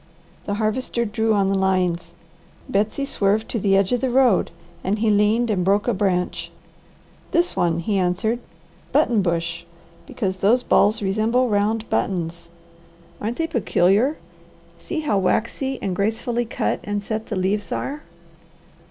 The Harvester drew on the lines, Betsy swerved to the edge of the road, and he leaned and broke a branch. "This one," he answered. "Buttonbush, because those balls resemble round buttons. Aren't they peculiar? See how waxy and gracefully cut and set the leaves are.